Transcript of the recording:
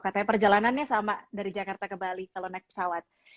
katanya perjalanannya sama dari jakarta ke bali kalau naik pesawat